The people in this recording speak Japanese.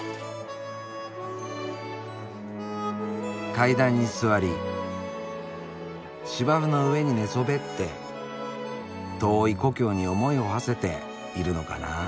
階段に座り芝生の上に寝そべって遠い故郷に思いをはせているのかなあ。